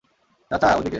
চাচা, ওদিকে।